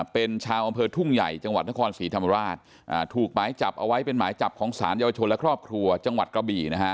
เป็นชาวอำเภอทุ่งใหญ่จังหวัดนครศรีธรรมราชถูกหมายจับเอาไว้เป็นหมายจับของสารเยาวชนและครอบครัวจังหวัดกระบี่นะฮะ